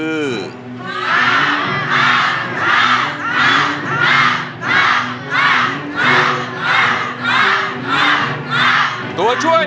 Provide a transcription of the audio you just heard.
เพลงนี้ที่๕หมื่นบาทแล้วน้องแคน